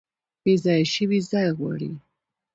بیځایه شوي ځای غواړي